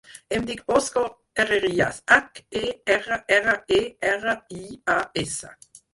Em dic Bosco Herrerias: hac, e, erra, erra, e, erra, i, a, essa.